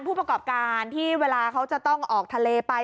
ผู้ประกอบการที่เวลาเขาจะต้องออกทะเลไป